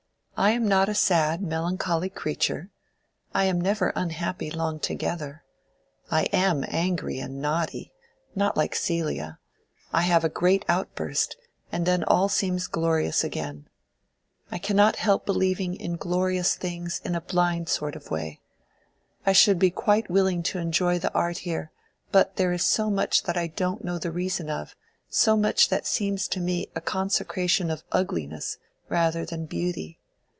I am not a sad, melancholy creature. I am never unhappy long together. I am angry and naughty—not like Celia: I have a great outburst, and then all seems glorious again. I cannot help believing in glorious things in a blind sort of way. I should be quite willing to enjoy the art here, but there is so much that I don't know the reason of—so much that seems to me a consecration of ugliness rather than beauty.